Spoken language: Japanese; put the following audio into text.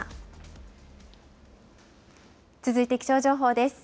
続いて気象情報です。